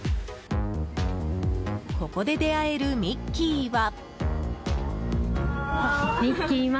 ここで出会えるミッキーは。